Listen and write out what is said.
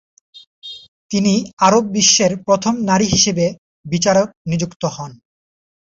তিনি আরব বিশ্বের প্রথম নারী হিসেবে বিচারক নিযুক্ত হন।